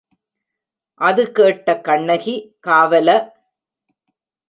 அது கேட்ட கண்ணகி, காவல!